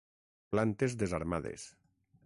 Plantes desarmades.